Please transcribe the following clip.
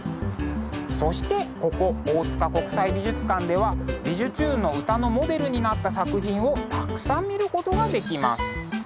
そしてここ大塚国際美術館では「びじゅチューン！」の歌のモデルになった作品をたくさん見ることができます。